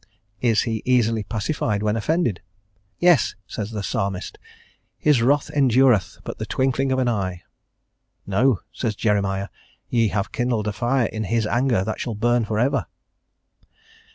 Is he easily pacified when offended? "Yes," says the Psalmist. "His wrath endureth but the twinkling of an eye." "No," says Jeremiah. "Ye have kindled a fire in His anger that shall burn for ever."